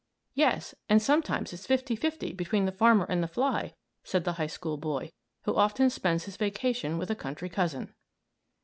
"Yes, and sometimes it's 50 50 between the farmer and the fly," said the high school boy, who often spends his vacation with a country cousin.